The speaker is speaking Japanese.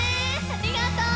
ありがとう！